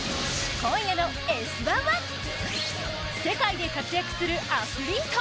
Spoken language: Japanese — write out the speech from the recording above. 今夜の「Ｓ☆１」は、世界で活躍するアスリート！